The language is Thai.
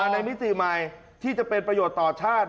มิติใหม่ที่จะเป็นประโยชน์ต่อชาติ